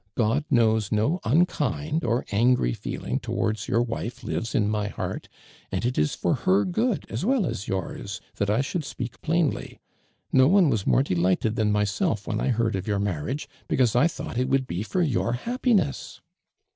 God knows no unkind or angcy feeling towards your wife lives in my heart, and it is for her good, as well as yours, that I should .speak plainly. No one wi.^. more delight ed than myself when I heard of your mar riage, because I thought il would be for your happiness.